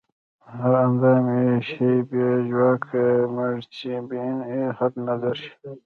هر اندام ئې شي بې ژواکه مړڅپن ئې هر نظر شي